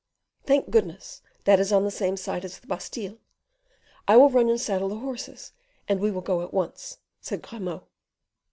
"Thank goodness, that is on the same side as the Bastile. I will run and saddle the horses, and we will go at once," said Grimaud.